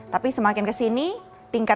tapi semakin ke sini tingkat kesadaran untuk berubah